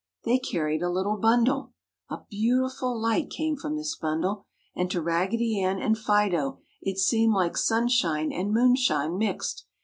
They carried a little bundle. A beautiful light came from this bundle, and to Raggedy Ann and Fido it seemed like sunshine and moonshine mixed.